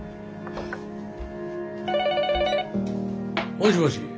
☎もしもし？